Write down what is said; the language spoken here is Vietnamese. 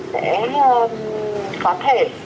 và hàng xóm để xem rằng